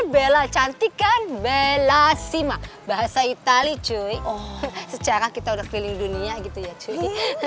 bella cantikkan bella sima bahasa itali cuy secara kita udah keliling dunia gitu ya cuy